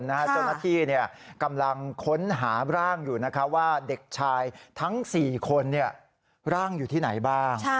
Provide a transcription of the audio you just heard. เจ้าหน้าที่กำลังค้นหาร่างอยู่ว่าเด็กชายทั้ง๔คนร่างอยู่ที่ไหนบ้าง